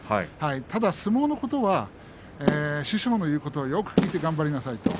ただ相撲のことは師匠の言うことをよく聞いて頑張りなさいと。